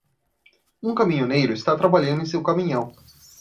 Um caminhoneiro está trabalhando em seu caminhão.